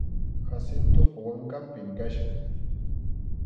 Jacintoqa wankanpim kachkan.